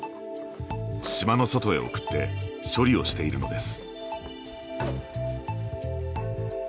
島の外へ送って処理をしているのです。